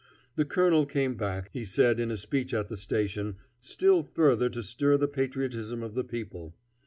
The colonel came back, he said in a speech at the station, still further to stir the patriotism of the people.